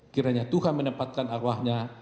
kiranya tuhan menempatkan arwahnya